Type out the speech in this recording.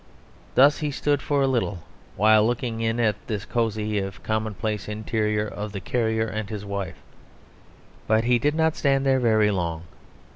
Thus he stood for a little while looking in at this cosy if commonplace interior of the carrier and his wife; but he did not stand there very long.